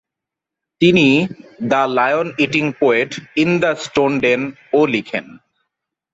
তিনি the lion eating poet in the stone den ও লিখেন।